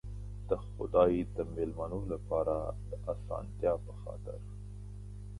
د خدای د مېلمنو لپاره د آسانتیا په خاطر.